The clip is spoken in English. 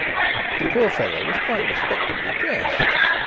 The poor fellow was quite respectably dressed.